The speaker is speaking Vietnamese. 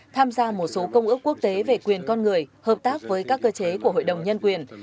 tham gia một số công ước quốc tế về quyền con người hợp tác với các cơ chế của hội đồng nhân quyền